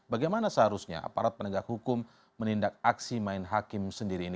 bagaimana seharusnya aparat penegak hukum menindak aksi main hakim sendiri ini